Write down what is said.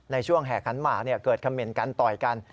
ในช่วงแห่ขันหมาเกิดเขม็นกันต่อยกัน